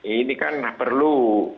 ini kan perlu